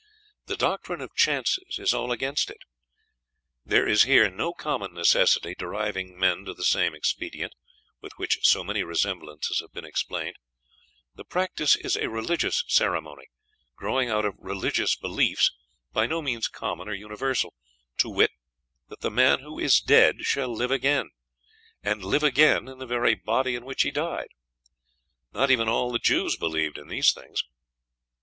The doctrine of chances is all against it. There is here no common necessity driving men to the same expedient, with which so many resemblances have been explained; the practice is a religious ceremony, growing out of religious beliefs by no means common or universal, to wit, that the man who is dead shall live again, and live again in the very body in which he died. Not even all the Jews believed in these things.